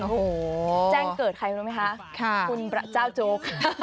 แจ้งเกิดใครรู้มั้ยคะคุณเจ้าจุก